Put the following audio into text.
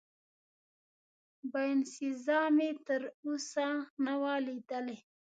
باینسیزا مې تراوسه نه وه لیدلې.